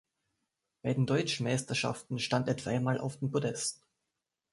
Bei den Deutschen Meisterschaften stand er dreimal auf dem Podest.